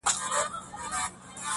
څارنوال سو په ژړا ویل بابا جانه,